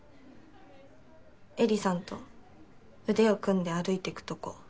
絵里さんと腕を組んで歩いてくとこ。